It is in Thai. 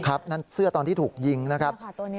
นั่นเสื้อตอนที่ถูกยิงนะครับ